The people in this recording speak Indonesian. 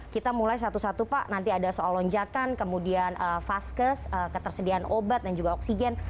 kita mulai satu satu pak nanti ada soal lonjakan kemudian vaskes ketersediaan obat dan juga oksigen